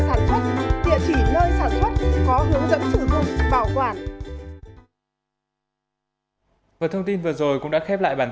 sản xuất địa chỉ nơi sản xuất có hướng dẫn sử dụng bảo quản và thông tin vừa rồi cũng đã khép lại bản